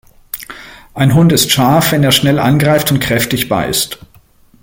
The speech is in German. Ein Hund ist scharf, wenn er schnell angreift und kräftig beißt.